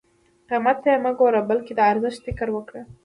قیمت ته یې مه ګوره بلکې د ارزښت فکر وکړه.